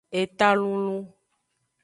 Eta lulun.